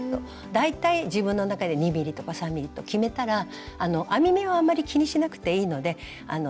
大体自分の中で２ｍｍとか３ｍｍと決めたら編み目はあんまり気にしなくていいのでどんどんすくっていって下さい。